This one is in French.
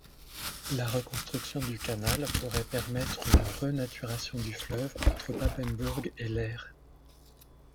La reconstruction du canal pourrait permettre une renaturation du fleuve entre Papenburg et Leer.